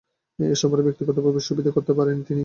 এ সফরে ব্যক্তিগতভাবে সুবিধে করতে পারেননি তিনি।